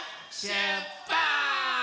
しゅっぱつ！